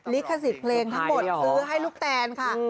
ลิขสิทธิ์เพลงทั้งหมดซื้อให้ลูกแตนค่ะ